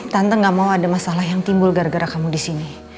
tante gak mau ada masalah yang timbul gara gara kamu di sini